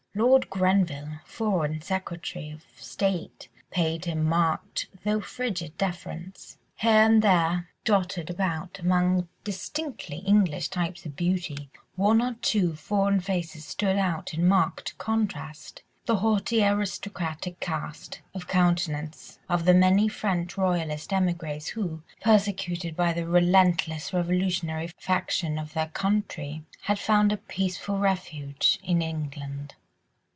Lord Grenville—Foreign Secretary of State—paid him marked, though frigid deference. Here and there, dotted about among distinctly English types of beauty, one or two foreign faces stood out in marked contrast: the haughty aristocratic cast of countenance of the many French royalist émigrés who, persecuted by the relentless, revolutionary faction of their country, had found a peaceful refuge in England.